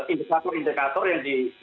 indikator indikator yang dimiliki